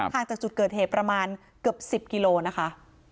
จากจุดเกิดเหตุประมาณเกือบ๑๐กิโลนะคะ